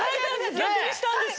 逆にしたんです。